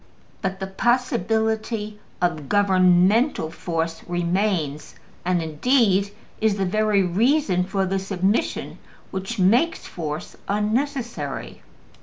But the possibility of governmental force remains, and indeed is the very reason for the submission which makes force unnecessary.